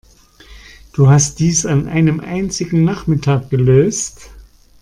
Du hast dies an einem einzigen Nachmittag gelöst?